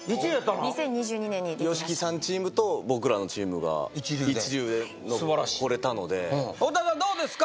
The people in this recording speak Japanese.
２０２２年にＹＯＳＨＩＫＩさんチームと僕らのチームが一流で残れたので堀田さんどうですか？